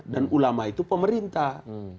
dan ulama itu pemerintah